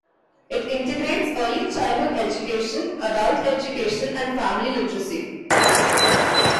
It integrates early childhood education, adult education and family literacy.